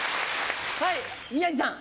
はい宮治さん。